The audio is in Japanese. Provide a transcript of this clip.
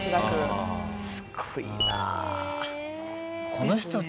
すごいな。